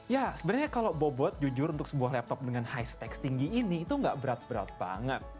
ya sebenarnya kalau bobot jujur untuk sebuah laptop dengan high spex tinggi ini itu gak berat berat banget